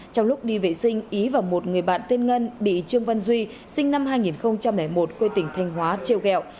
trong lúc đi vệ sinh ý và một người bạn tên ngân bị trương văn duy sinh năm hai nghìn một quê tỉnh thanh hóa treo gẹo